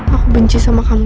aku benci sama kamu